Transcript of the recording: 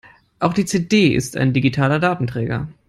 Auch die CD ist ein digitaler Datenträger.